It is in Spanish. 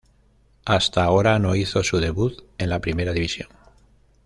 Hasta ahora no hizo su debut en la primera división.